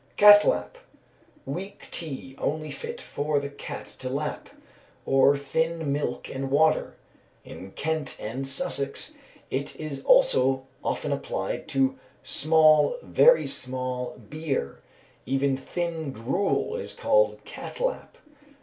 Cat lap. Weak tea, only fit for the cat to lap, or thin milk and water. In Kent and Sussex it is also often applied to small, very small beer; even thin gruel is called "cat lap."